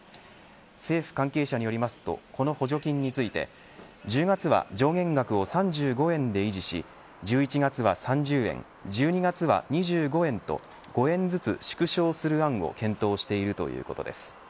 政府関係者によりますとこの補助金について１０月は上限額を３５円で維持し１１月は３０円１２月は２５円と５円ずつ縮小する案を検討しているということです。